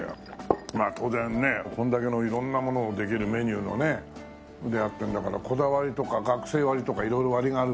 当然ねこんだけの色んなものをできるメニューのねやってるんだからこだわりとか学生割とか色々割があると思うけど。